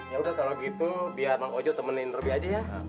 yaudah kalo gitu biar emang ojo temenin lebih aja ya